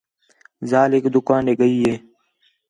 ذال ہِک دُکان ݙے ڳئی ہِے